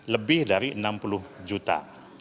lebih dari enam puluh juta